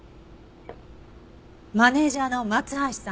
マネジャーの松橋さん